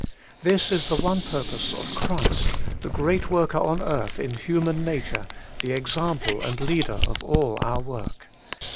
This is the one purpose of Christ, the great worker on earth in hu man nature, the example and leader of all our work.